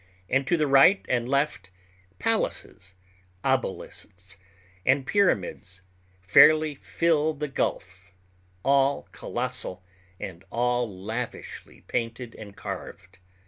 and to right and left palaces, obelisks, and pyramids fairly fill the gulf, all colossal and all lavishly painted and carved.